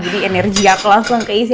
jadi energi aku langsung ke isi